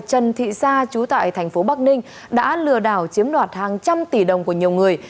trần thị sa trú tại thành phố bắc ninh đã lừa đảo chiếm đoạt hàng trăm tỷ đồng của nhiều người